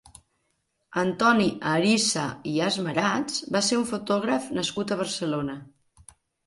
Antoni Arissa i Asmarats va ser un fotògraf nascut a Barcelona.